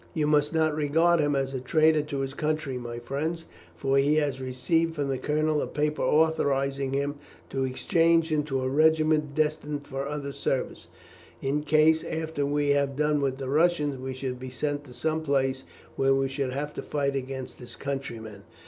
You must not regard him as a traitor to his country, my friends, for he has received from the colonel a paper authorizing him to exchange into a regiment destined for other service, in case, after we have done with the Russians, we should be sent to some place where we should have to fight against his countrymen."